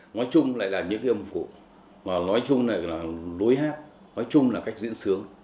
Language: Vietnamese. nói chung lại là những cái âm phụ nói chung là lối hát nói chung là cách diễn sướng